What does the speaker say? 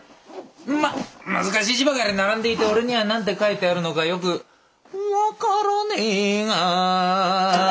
まっ難しい字ばかり並んでいて俺には何て書いてあるのかよく「分からねえが」